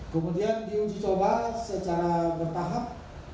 kemudian diuji coba secara bertahap